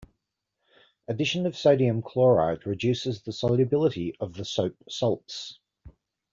Addition of sodium chloride reduces the solubility of the soap salts.